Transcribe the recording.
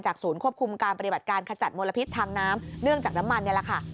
ศูนย์ควบคุมการปฏิบัติการขจัดมลพิษทางน้ำเนื่องจากน้ำมันนี่แหละค่ะ